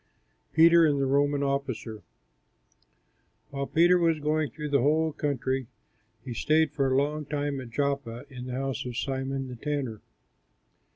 PETER AND THE ROMAN OFFICER While Peter was going through the whole country, he stayed for a long time at Joppa, in the house of Simon, a tanner.